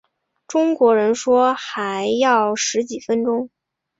中国人说还要十几分钟